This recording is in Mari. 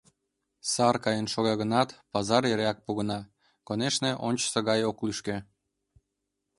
Сар каен шога гынат, пазар эреак погына, конешне, ончычсо гай ок лӱшкӧ.